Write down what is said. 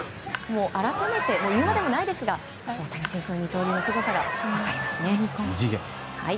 改めて言うまでもないですが大谷選手の二刀流のすごさが分かりますね。